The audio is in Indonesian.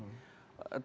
tetap akan berkembang